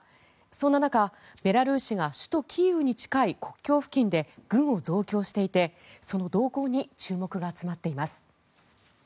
そんな中、ベラルーシが首都キーウに近い国境付近で軍を増強していて、その動向に注目が集まっています。